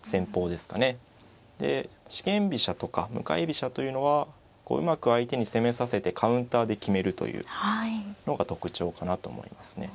で四間飛車とか向かい飛車というのはうまく相手に攻めさせてカウンターで決めるというのが特徴かなと思いますね。